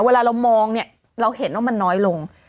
เวลาเรามองเนี่ยเราเห็นว่ามันน้อยลง